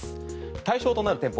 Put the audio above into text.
対象となる店舗